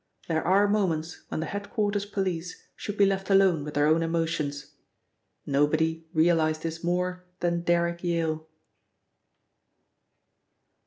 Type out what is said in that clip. There are moments when the head quarters police should be left alone with their own emotions. Nobody realised this more than Derrick Yale.